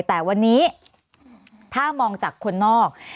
แต่วันนี้ถ้ามองจากคนนอก